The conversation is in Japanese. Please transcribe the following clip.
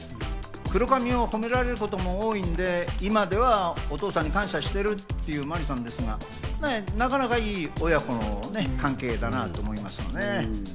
黒髪を褒められることも多いんで、今ではお父さんに感謝しているという麻里さんですが、なかなかいい親子の関係だなと思いますね。